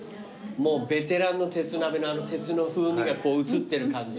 ベテランの鉄鍋のあの鉄の風味が移ってる感じ。